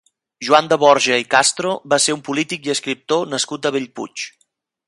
Joan de Borja i Castro va ser un polític i escriptor nascut a Bellpuig.